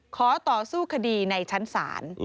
ขอต่อสู้คดีในชั้นศาล